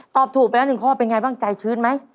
ตอบถูกไปแล้ว๑ข้อเป็นไงบ้างใจชื้นไหม